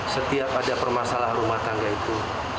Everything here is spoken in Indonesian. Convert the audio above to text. setiap ada permasalahan rumah tangga itu